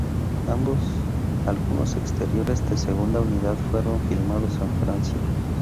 Algunos exteriores de segunda unidad fueron filmados en Francia.